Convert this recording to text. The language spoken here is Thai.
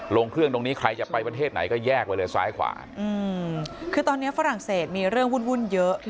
ลงเครื่องตรงนี้ใครจะไปประเทศไหนก็แยกไปเลยซ้ายขวาคือตอนนี้ฝรั่งเศสมีเรื่องวุ่นเยอะ